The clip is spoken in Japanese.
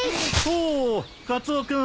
おうカツオ君。